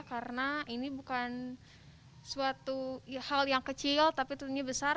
karena ini bukan suatu hal yang kecil tapi tentunya besar